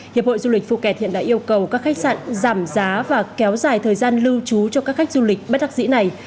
hiệp hội du lịch phuket hiện đã yêu cầu các khách sạn giảm giá và kéo dài thời gian lưu trú cho các khách du lịch bất đắc dĩ này